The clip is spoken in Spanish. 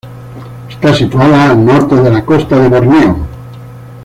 Está situada al norte de la costa de Borneo.